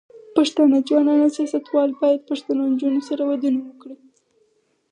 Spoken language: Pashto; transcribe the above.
پښتانه ځوانان او سياستوال بايد پښتنو نجونو سره ودونه وکړي.